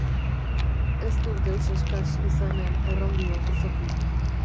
Ez duk deus eskas izanen, erran dio gozoki.